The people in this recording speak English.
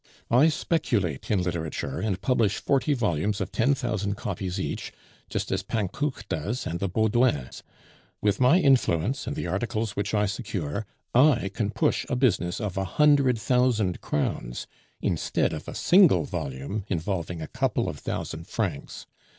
I speculate in literature, and publish forty volumes of ten thousand copies each, just as Panckouke does and the Baudoins. With my influence and the articles which I secure, I can push a business of a hundred thousand crowns, instead of a single volume involving a couple of thousand francs.